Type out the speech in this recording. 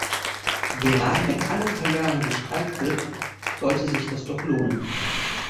Gerade wenn alle paar Jahre gestreikt wird, sollte sich das doch lohnen.